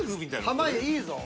濱家いいぞ。